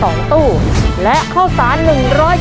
รับทุนไปต่อชีวิตสูงสุดหนึ่งล้อนบอส